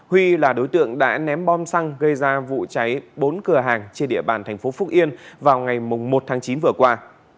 huy là đối tượng đã ném bom xăng gây ra vụ cháy bốn cửa hàng trên địa bàn tp hcm vào ngày một tháng chín vừa qua